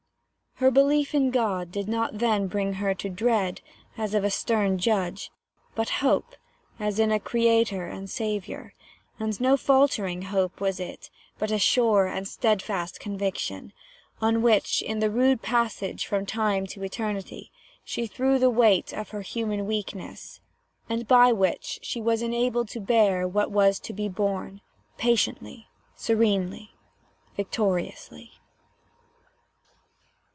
Her belief in God did not then bring to her dread, as of a stern Judge, but hope, as in a Creator and Saviour: and no faltering hope was it, but a sure and stedfast conviction, on which, in the rude passage from Time to Eternity, she threw the weight of her human weakness, and by which she was enabled to bear what was to be borne, patiently serenely victoriously.